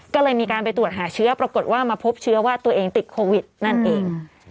ก็เลยมีการไปตรวจหาเชื้อปรากฏว่ามาพบเชื้อว่าตัวเองติดโควิดนั่นเอง